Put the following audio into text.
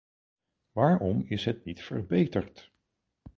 Waarom is het niet verbeterd?